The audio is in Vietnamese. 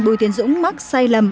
bùi tiến dũng mắc sai lầm